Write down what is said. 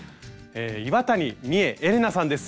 岩谷みえエレナさんです。